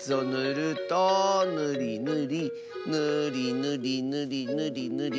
ぬりぬりぬりぬりぬりぬりぬり。